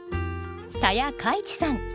田谷嘉一さん